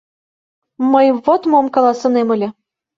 — Мый вот мом каласынем ыле.